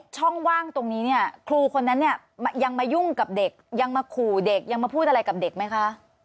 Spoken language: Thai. ช่องว่างตรงนี้เนี่ยครูคนนั้นเนี่ยยังมายุ่งกับเด็กยังมาขู่เด็กยังมาพูดอะไรกับเด็กไหมคะ